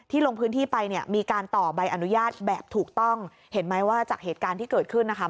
ลงพื้นที่ไปเนี่ยมีการต่อใบอนุญาตแบบถูกต้องเห็นไหมว่าจากเหตุการณ์ที่เกิดขึ้นนะคะ